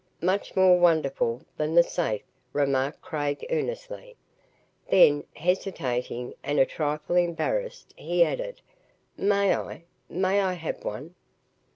"Much more wonderful than the safe," remarked Craig earnestly. Then, hesitating and a trifle embarrassed, he added, "May I may I have one?"